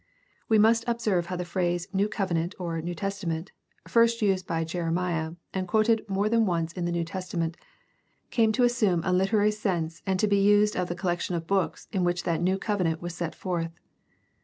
We must observe how the phrase New Covenant or New Testament, first used by Jeremiah, and quoted more than once in the New Testament, came to assume a literary sense and to be used of the collection of books in which that New Covenant was set forth.